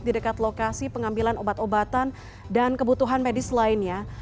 di dekat lokasi pengambilan obat obatan dan kebutuhan medis lainnya